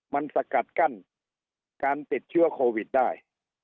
มันสกัดกั้นการติดเชื้อโควิดได้